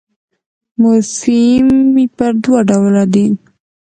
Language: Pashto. مورفیم پر دوه ډوله دئ.